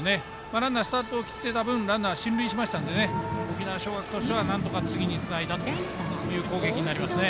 ランナースタートを切ってた分ランナー進塁しましたので沖縄尚学としてはなんとか次につないだという攻撃になりますね。